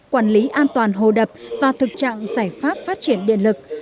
quản lý an toàn hồ đập và thực trạng giải pháp phát triển điện lực